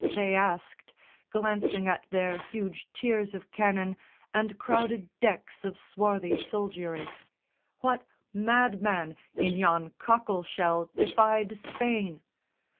They asked, glancing at their huge tiers of cannon And crowded decks of swarthy soldiery; "What madman in yon cockle shell defied Spain?"